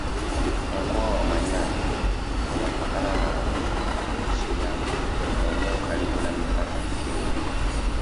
Mkoa wa Manyara unapakana na Arusha Shinyanga na eneo karibu na mipaka ya Kenya